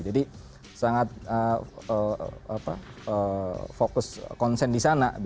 jadi sangat fokus konsen di sana